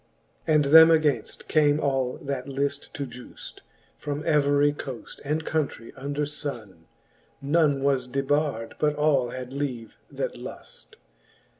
And them againft came all that lift to giuft, From every coaft and countrie under funne : l^[one was debard, but all had leave that luft.